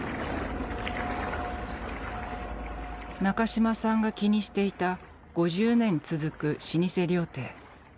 中島さんが気にしていた５０年続く老舗料亭。